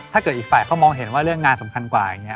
ถ้าเกิดอีกฝ่ายเขามองเห็นว่าเรื่องงานสำคัญกว่าอย่างนี้